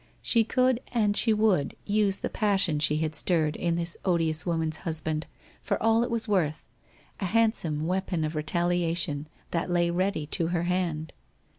... She could, and she would use the passion she had stirred in this odious woman's husband for all it was worth, a handsome weapon of retaliation that lay ready to her hand